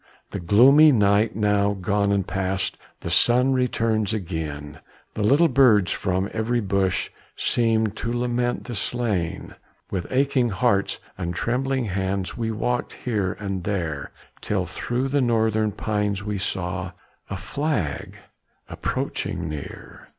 The gloomy night now gone and past, The sun returns again, The little birds from every bush Seem to lament the slain. With aching hearts and trembling hands, We walkèd here and there, Till through the northern pines we saw A flag approaching near.